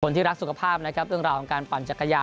ที่รักสุขภาพนะครับเรื่องราวของการปั่นจักรยาน